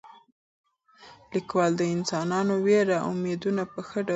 لیکوال د انسانانو ویره او امید په ښه ډول انځوروي.